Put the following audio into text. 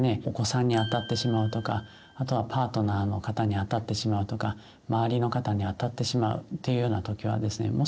お子さんにあたってしまうとかあとはパートナーの方にあたってしまうとか周りの方にあたってしまうっていうような時はですね